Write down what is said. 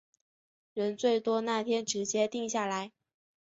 人最多那天直接定下来